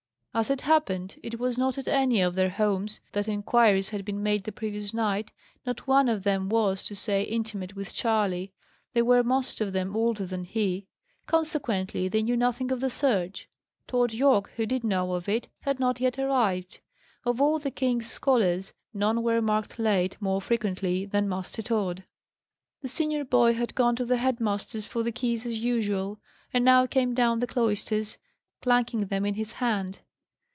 As it happened, it was not at any of their homes that inquiries had been made the previous night; not one of them was, to say, intimate with Charley: they were most of them older than he. Consequently, they knew nothing of the search. Tod Yorke, who did know of it, had not yet arrived. Of all the king's scholars, none were marked late more frequently than Master Tod. The senior boy had gone to the head master's for the keys as usual, and now came down the cloisters, clanking them in his hand.